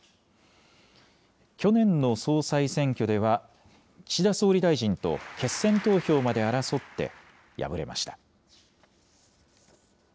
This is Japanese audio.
去年の総裁選挙では、岸田総理大臣と決選投票まで争って敗れました。